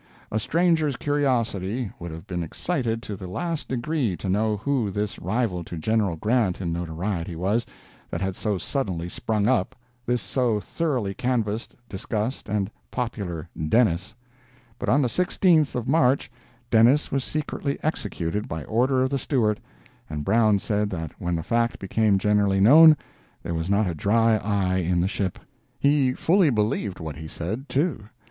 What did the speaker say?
A stranger's curiosity would have been excited to the last degree to know who this rival to General Grant in notoriety was, that had so suddenly sprung up—this so thoroughly canvassed, discussed, and popular "Dennis." But on the 16th of March Dennis was secretly executed by order of the steward, and Brown said that when the fact became generally known, there was not a dry eye in the ship. He fully believed what he said, too.